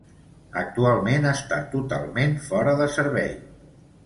Actualment està totalment fora de servei.